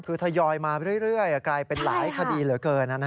คือทยอยมาเรื่อยกลายเป็นหลายคดีเหลือเกิน